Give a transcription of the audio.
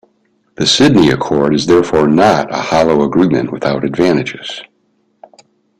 The Sydney Accord is therefore not a hollow agreement without advantages.